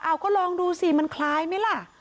เอาก็ลองดูสิมันคล้ายไหมล่ะ